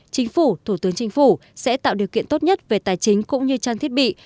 chính phủ thủ tướng chính phủ sẽ tạo điều kiện tốt nhất về tài chính cũng như trang thiết bị